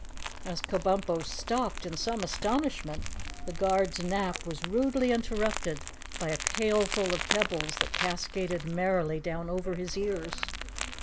As Kabumpo stopped in some astonishment, the guard's nap was rudely interrupted by a pailful of pebbles that cascaded merrily down over his ears.